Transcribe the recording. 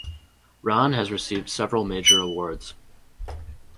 Rahn has received several major awards.